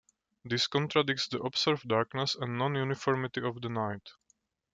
This contradicts the observed darkness and non-uniformity of the night.